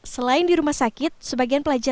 selain di rumah sakit sebagian pelajar